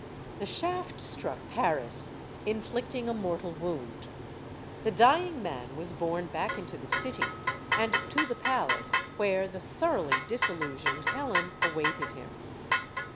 The shaft struck Paris, inflicting a mortal wound. The dying man was borne back into the city, and to the palace where the thoroughly disillusioned Helen awaited him.